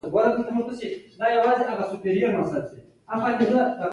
په دې ډول د انساني ترافیک کار کوونکو ټولي اړخونه سنجولي وو.